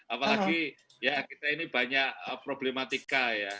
apalagi ya kita ini banyak problematika ya